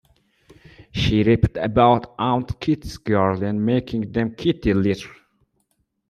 She rapped about Aunt Kittie's girls and making them kitty litter.